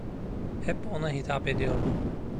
Hep ona hitap ediyordum.